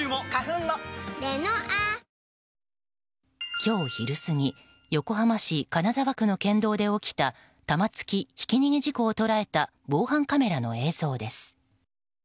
今日昼過ぎ横浜市金沢区の県道で起きた玉突きひき逃げ事故を捉えた防犯カメラの映像です。